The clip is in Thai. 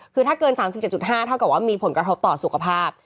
คือถ้าเกิน๓๗๕เท่ากับว่ามีผลกระทบต่อสุขภาพ